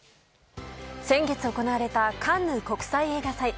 先月行われたカンヌ国際映画祭。